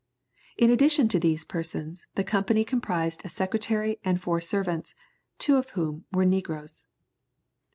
In addition to these persons, the company comprised a secretary and four servants, two of whom were negroes.